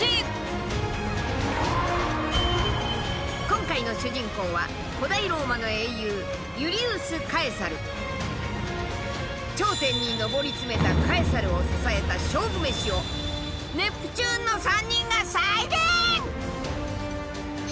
今回の主人公は古代ローマの英雄頂点に上り詰めたカエサルを支えた勝負メシをネプチューンの３人が再現！